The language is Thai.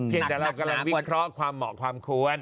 ยังแต่เรากำลังวิเคราะห์ความเหมาะความควร